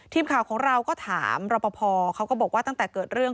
ทีมข่าวของเราก็ถามรอปภเขาก็บอกว่าตั้งแต่เกิดเรื่อง